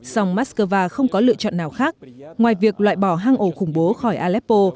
song moscow không có lựa chọn nào khác ngoài việc loại bỏ hang ổ khủng bố khỏi aleppo